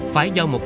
phải do một